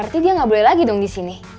berarti dia gak boleh lagi dong di sini